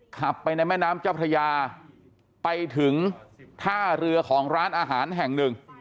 ขับไปในแม่น้ำเจ้าพระยาไปถึงท่าเรือของร้านอาหารแห่งหนึ่ง